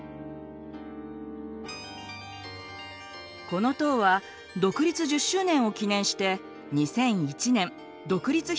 この塔は独立１０周年を記念して２００１年独立広場に建てられました。